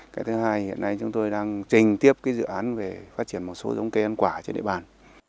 cái thứ hai hiện nay chúng tôi đang trình tiếp dự án về phát triển một số giống cây ăn quả trên địa bàn